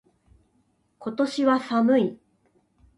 今年は寒い。